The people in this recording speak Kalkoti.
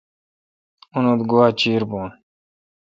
اونتھ گوا چیر بھون۔